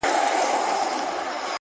چي ستا د حسن پلوشې چي د زړه سر ووهي-